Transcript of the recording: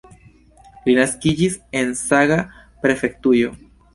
Li naskiĝis en Saga-prefektujo.